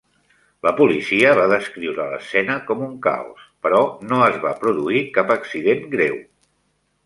La policia va descriure l'escena com un caos, però no es va produir cap accident greu.